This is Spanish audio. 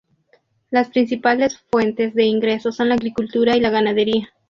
Las principales fuentes de ingresos son la agricultura y la ganadería.